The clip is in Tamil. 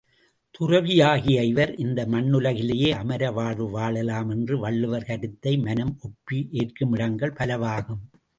துறவியாகிய இவர், இந்த மண்ணுலகிலேயே அமர வாழ்வு வாழலாம் என்ற வள்ளுவர் கருத்தை மனம் ஒப்பி ஏற்குமிடங்கள் பலவாகும்.